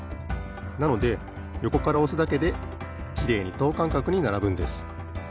なのでよこからおすだけできれいにとうかんかくにならぶんです。